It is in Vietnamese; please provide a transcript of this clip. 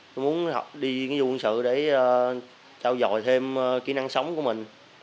tôi muốn đi nghĩa vụ quân sự để trao dòi thêm kỹ năng sống của mình